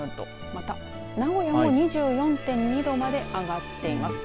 また名古屋も２４．２度まで上がっています。